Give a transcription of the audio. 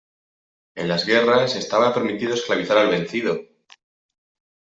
En las guerras estaba permitido esclavizar al vencido.